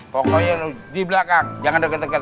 pokoknya lu di belakang jangan deket deket